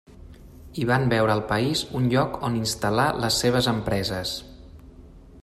I van veure al país un lloc on instal·lar les seves empreses.